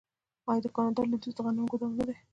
آیا د کاناډا لویدیځ د غنمو ګدام نه دی؟